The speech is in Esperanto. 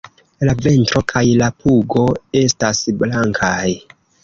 La ventro kaj la pugo estas blankaj.